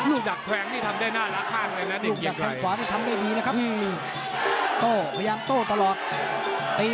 รูดักแขวงนี่ทำได้น่ารักข้างเลยนะ